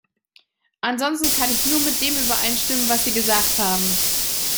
Ansonsten kann ich nur mit dem übereinstimmen, was Sie gesagt haben.